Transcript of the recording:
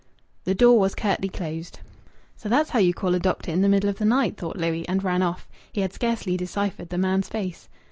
The door was curtly closed. "So that's how you call a doctor in the middle of the night!" thought Louis, and ran off. He had scarcely deciphered the man's face.